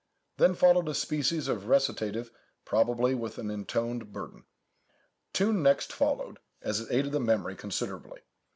Then followed a species of recitative, probably with an intoned burden. Tune next followed, as it aided the memory considerably.